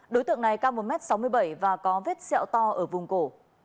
đối tượng này cao một m sáu mươi bảy và có vết xẹo to ở vùng cổ